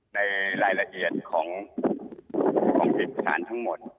ในรายละเอียดของเห็นผู้ชั่นทั้งหมด